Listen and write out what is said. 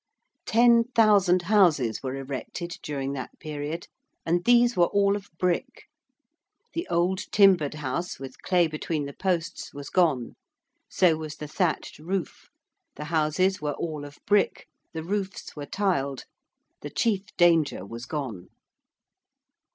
Ten thousand houses were erected during that period, and these were all of brick: the old timbered house with clay between the posts was gone: so was the thatched roof: the houses were all of brick: the roofs were tiled: the chief danger was gone.